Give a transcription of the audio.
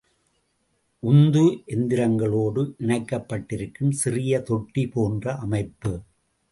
உந்து எந்திரங்களோடு இணைக்கப்பட்டிருக்கும் சிறிய தொட்டி போன்ற அமைப்பு.